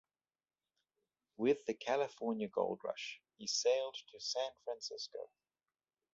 With the California gold rush he sailed to San Francisco.